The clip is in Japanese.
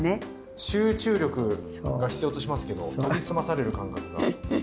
集中力が必要としますけど研ぎ澄まされる感覚が。